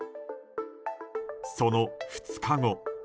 その２日後。